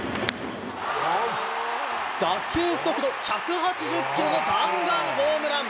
打球速度１８０キロの弾丸ホームラン。